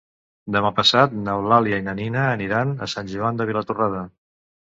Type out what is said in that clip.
Demà passat n'Eulàlia i na Nina aniran a Sant Joan de Vilatorrada.